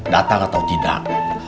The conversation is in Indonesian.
datang atau tidak